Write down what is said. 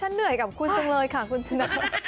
เหนื่อยกับคุณจังเลยค่ะคุณชนะ